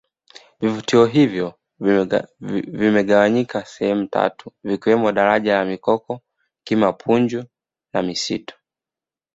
vivutio hivyo vimegawanyika sehemu tatu vikiwemo daraja la mikoko kima punju na misitu